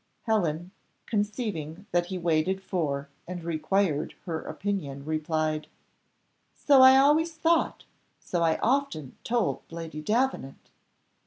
Helen, conceiving that he waited for and required her opinion, replied, "So I always thought so I often told Lady Davenant."